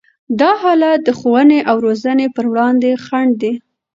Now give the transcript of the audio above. دا حالت د ښوونې او روزنې پر وړاندې خنډ دی.